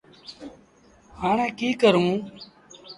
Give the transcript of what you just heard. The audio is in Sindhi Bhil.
هآي ڪيٚ ڪرون۔